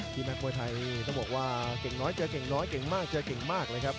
ทีมักหมวยไทน่นี้มันบอกว่าเก่งน้อยเก่งน้อยเก่งเก่งเก่งมากเลยครับ